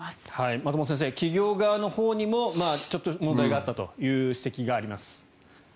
松本先生企業側のほうにもちょっと問題があったという指摘があります。